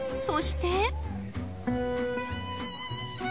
そして。